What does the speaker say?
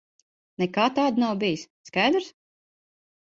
Nekā tāda nav bijis. Skaidrs?